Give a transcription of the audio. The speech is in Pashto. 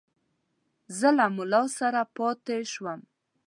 زه له مُلا سره پاته شوم.